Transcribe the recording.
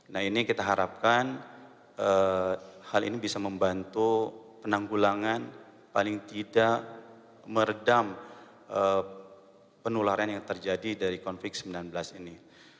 nah ini kita harapkan hal ini bisa membantu penanggulangan paling tidak meredam penularan yang terjadi dari konflik sembilan belas ini